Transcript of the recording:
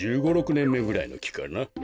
１５６ねんめぐらいのきかな。